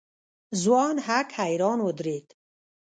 ځوان هک حيران ودرېد.